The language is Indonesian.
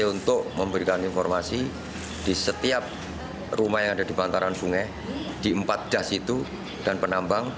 untuk memberikan informasi di setiap rumah yang ada di bantaran sungai di empat das itu dan penambang